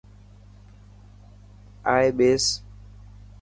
آئي ٻيس.